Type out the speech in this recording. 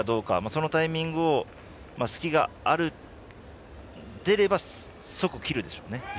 そのタイミング隙があれば即切るでしょうね。